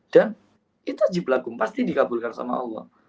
dan itu tajib lagu pasti dikabulkan sama allah